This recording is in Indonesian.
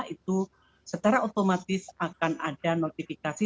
itu secara otomatis akan ada notifikasi